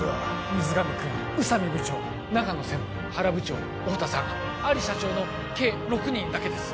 水上くん宇佐美部長長野専務原部長太田さんアリ社長の計６人だけです